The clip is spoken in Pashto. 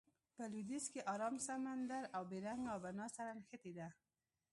په لویدیځ کې ارام سمندر او بیرنګ آبنا سره نښتې ده.